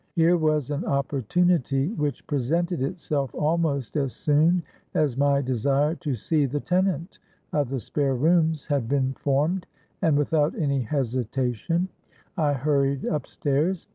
Here was an opportunity which presented itself almost as soon as my desire to see the tenant of the spare rooms had been formed; and, without any hesitation, I hurried upstairs.